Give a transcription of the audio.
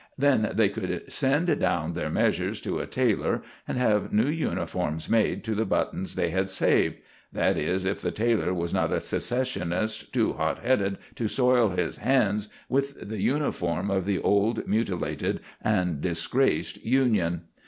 Then they could send down their measures to a tailor and have new uniforms made to the buttons they had saved that is, if the tailor was not a secessionist too hot headed to soil his hands with the uniform of the old, mutilated, and disgraced Union.